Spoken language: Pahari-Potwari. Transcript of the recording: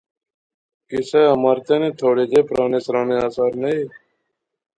کسے عمارتی نے تھوڑے جے پرانے سرانے آثار نئیں